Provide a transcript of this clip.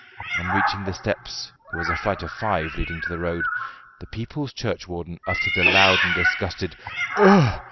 On reaching the steps there was a flight of five leading to the road the people's churchwarden uttered a loud and disgusted "Ugh!"